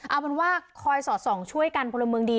เอาเป็นว่าคอยสอดส่องช่วยกันพลเมืองดี